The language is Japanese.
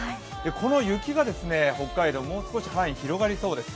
この雪が北海道、もう少し範囲が広がりそうです。